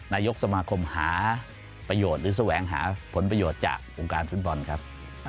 นายกสมาคมหาประโยชน์หรือแสวงหาผลประโยชน์จากวงการฟุตบอลครับ